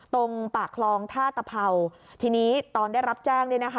ตรงปากคลองท่าตะเผาทีนี้ตอนได้รับแจ้ง